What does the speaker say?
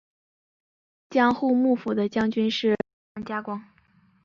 江户幕府的将军是德川家光。